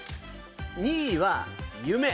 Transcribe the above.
２位は「夢」。